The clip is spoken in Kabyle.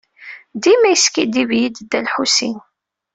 Dima yeskiddib-iyi-d Dda Lḥusin.